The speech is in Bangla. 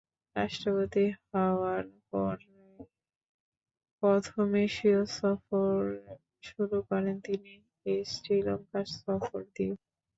রাষ্ট্রপতি হওয়ার পরে, প্রথম এশিয়া সফর শুরু করেন তিনি এই শ্রীলঙ্কা সফর দিয়ে।